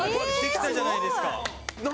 できるじゃないですか。